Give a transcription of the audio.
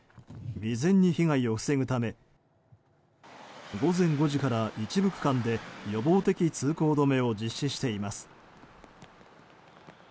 未然に被害を防ぐため午前５時から一部区間で予防的通行止めを実施しています。